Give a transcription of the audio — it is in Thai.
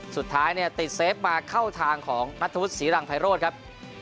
สุดท้ายเนี่ยติดเซฟมาเข้าทางของนัทธวุฒิศรีรังไพโรธครับ